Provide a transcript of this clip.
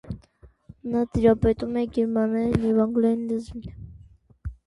Նա տիրապետում է գերմաներեն և անգլերեն լեզուներին։